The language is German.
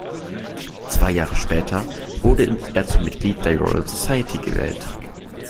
Zwei Jahre später wurde er zum Mitglied der Royal Society gewählt.